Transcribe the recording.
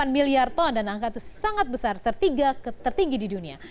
delapan miliar ton dan angka itu sangat besar tertinggi di dunia